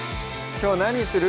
きょう何にする？